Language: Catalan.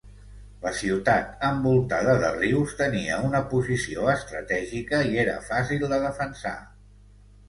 La ciutat, envoltada de rius, tenia una posició estratègica i era fàcil de defensar.